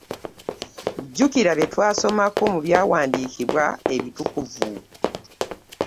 Jjukira bye twasomako mu byawandiikibwa ebitukuvu.